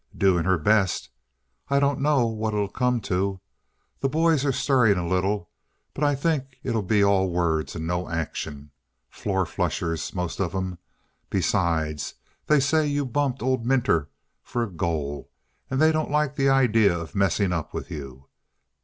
"Doing her best. I dunno what it'll come to. The boys are stirring a little. But I think it'll be all words and no action. Four flushers, most of 'em. Besides, they say you bumped old Minter for a goal; and they don't like the idea of messing up with you.